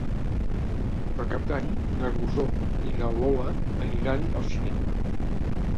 Per Cap d'Any na Rosó i na Lola aniran al cinema.